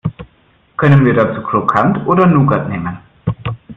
Können wir dazu Krokant oder Nougat nehmen?